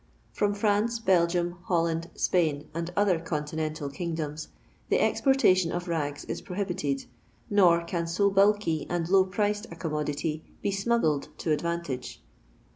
From Fia&ce, Belgium, Holland, Spain, and other continental kingdoms, the exportation of ngs is prohibited, nor can so bulky and low priced a commodity be smuggled to advantage.